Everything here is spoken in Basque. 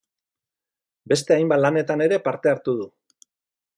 Beste hainbat lanetan ere parte hartu du.